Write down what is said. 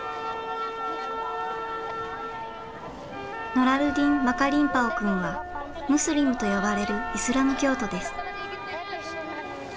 ノラルディン・マカリンパオ君はムスリムと呼ばれるイスラム教徒です。